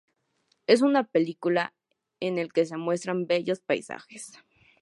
Es una película en el que se muestran bellos paisajes.